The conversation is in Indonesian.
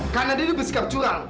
karena dia bersikap curang